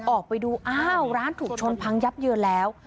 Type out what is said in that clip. ออกไปดูอ้าวร้านถูกชนพังยับเยินแล้ว